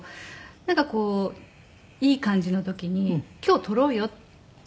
なんかこういい感じの時に「今日撮ろうよ」って言われて。